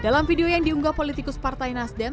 dalam video yang diunggah politikus partai nasdem